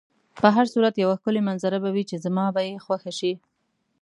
په هر صورت یوه ښکلې منظره به وي چې زما به یې خوښه شي.